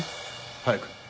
早く。